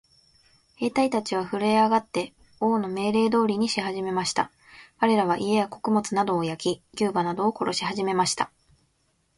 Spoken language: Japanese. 兵隊たちはふるえ上って、王の命令通りにしはじめました。かれらは、家や穀物などを焼き、牛馬などを殺しはじめました。